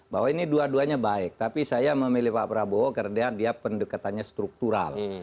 bahwa ini dua duanya baik tapi saya memilih pak prabowo karena dia pendekatannya struktural